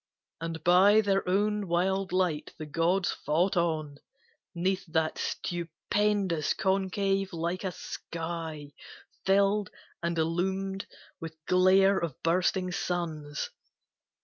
And by their own wild light the gods fought on 'Neath that stupendous concave like a sky Filled and illumed with glare of bursting suns.